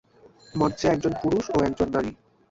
মঞ্চে একজন পুরুষ ও একজন নারী।